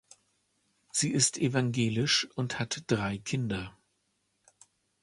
Sie ist evangelisch und hat drei Kinder.